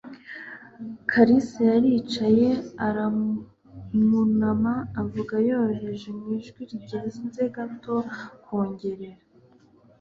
Kalisa yaricaye aramwunama, avuga yoroheje mu ijwi rirenze gato kwongorera.